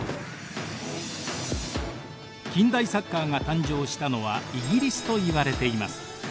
近代サッカーが誕生したのはイギリスといわれています。